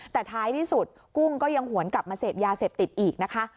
แต่ท้ายที่สุดกุ้งก็ยังหวนกลับมาเสพยาเสพติดอีกนะคะ